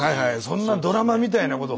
そんなドラマみたいなこと